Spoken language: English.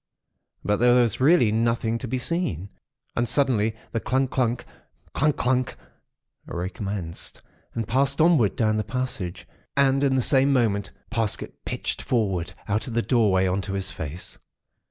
But, there was really nothing to be seen. And suddenly the clungk, clunck—clungk, clunck, recommenced, and passed onward down the passage. And in the same moment, Parsket pitched forward out of the doorway on to his face.